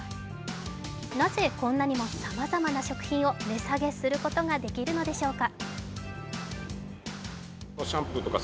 なぜこんなにもさまざまな食品を値下げすることができるのでしょうか？